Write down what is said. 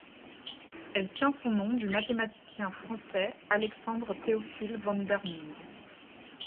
Elle tient son nom du mathématicien français Alexandre-Théophile Vandermonde.